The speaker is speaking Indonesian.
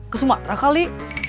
ke sumatera kali